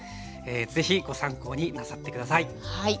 是非ご参考になさって下さい。